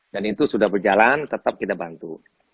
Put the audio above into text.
dan itu sudah berjalan tetap kita bantu